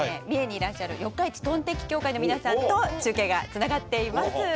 三重にいらっしゃる四日市とんてき協会の皆さんと中継がつながっています。